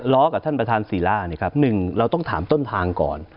ร้อกับท่านประธานศิลาหนึ่งเราต้องถามต้นทางก่อน